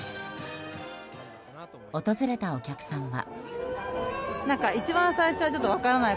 訪れたお客さんは。